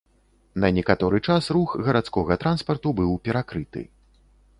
На некаторы час рух гарадскога транспарту быў перакрыты.